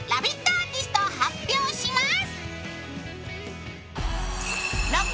アーティストを発表します。